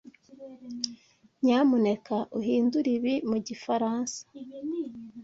Nyamuneka uhindure ibi mu gifaransa.